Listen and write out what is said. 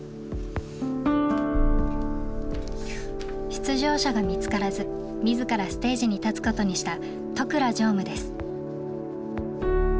出場者が見つからず自らステージに立つことにした都倉常務です。